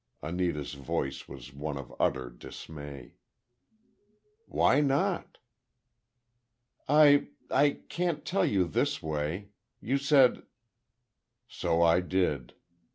Anita's voice was one of utter dismay. "Why not?" "I—I can't tell you this way! You said—" "So I did.